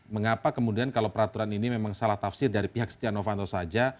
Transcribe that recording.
mengapa kemudian kalau peraturan ini memang salah tafsir dari pihak setia novanto saja